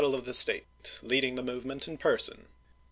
XI. the state, leading the movement in person.